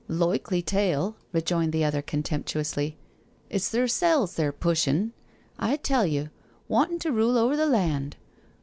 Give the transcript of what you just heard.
" Loikly tale," rejoined the other contemptuously. " It's theirsel's they're pushin', I tell you — wantin' to rule over the land.